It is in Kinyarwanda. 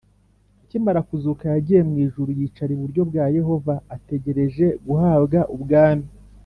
Akimara kuzuka yagiye mu ijuru, yicara iburyo bwa Yehova ategereje guhabwa Ubwami